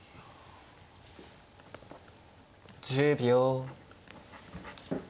１０秒。